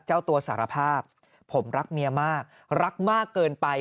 เจ้าตัวสารภาพผมรักเมียมากรักมากเกินไป